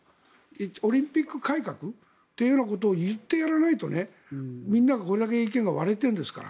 オリンピック改革ということを言ってやらないとみんながこれだけ意見が割れているんですから。